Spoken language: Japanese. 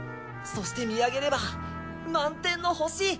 そして見上げれば満天の星！